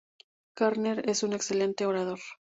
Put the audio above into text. Garner es un excelente orador.